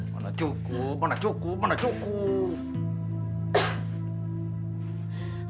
mana cukup mana cukup mana cukup